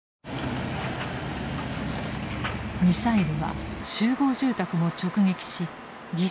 ミサイルは集合住宅も直撃し犠牲者を出しました。